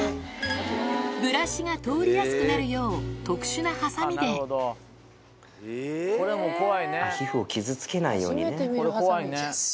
ブラシが通りやすくなるよう、皮膚を傷つけないようにね。